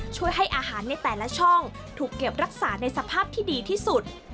ช่วยให้อาหารในแต่ละช่องถูกเก็บรักษาในสภาพที่ดีที่สุด